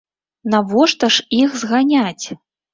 Навошта ж іх зганяць?